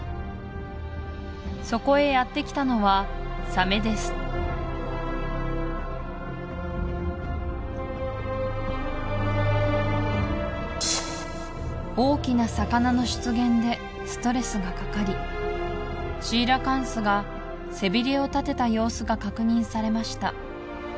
そこへやってきたのはサメです大きな魚の出現でストレスがかかりシーラカンスが背びれを立てた様子が確認されました